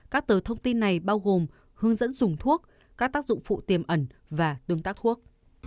các tờ thông tin này bao gồm hướng dẫn dùng thuốc các tác dụng phụ tiềm ẩn và tương tác thuốc